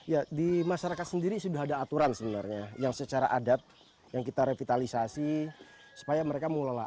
ya di masyarakat sendiri sudah ada aturan sebenarnya yang secara adat yang kita revitalisasi supaya mereka mengelola